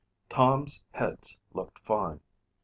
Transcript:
Tom's heads looked fine.